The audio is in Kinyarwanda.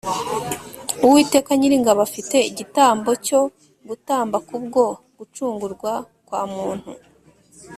Uwiteka Nyiringabo afite igitambo cyo gutamba kubwo gucungurwa kwa muntu